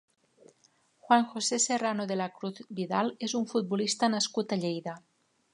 Juan José Serrano de la Cruz Vidal és un futbolista nascut a Lleida.